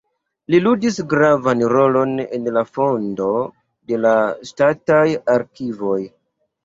Li ludis gravan rolon en la fondo de la ŝtataj arkivoj.